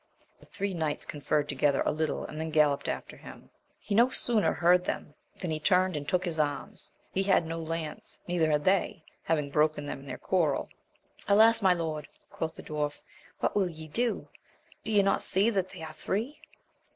The three knights con ferred together a little and then galloped after him. He no sooner heard them, than he turned and took his arms ; he had no lance, neither had they, having broken them in their quarrel. Alas ! my lord, quoth the dwarf, what will ye do ? do you not see that they are three?